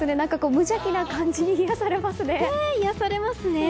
無邪気な感じに癒やされますね。